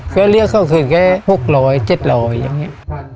ก็เรียกเขาคืนแค่๖๐๐๗๐๐อย่างนี้